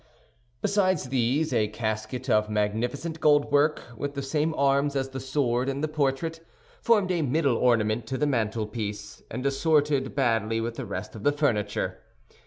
Besides these, a casket of magnificent goldwork, with the same arms as the sword and the portrait, formed a middle ornament to the mantelpiece, and assorted badly with the rest of the furniture.